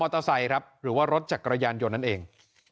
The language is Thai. เตอร์ไซค์ครับหรือว่ารถจักรยานยนต์นั่นเอง